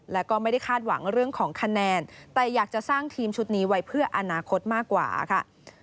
และก็ไม่ได้คาดหวังเรื่องของคะแนนแต่อยากจะสร้างทีมชุดนี้ไว้เพื่ออนาคตมากกว่าค่ะ